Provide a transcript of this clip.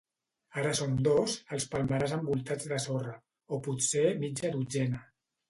Ara són dos, els palmerars envoltats de sorra, o potser mitja dotzena.